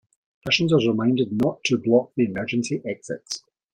Passengers are reminded not to block the emergency exits.